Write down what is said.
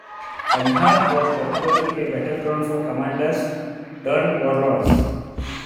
Kandahar was particularly a battleground for commanders turned warlords.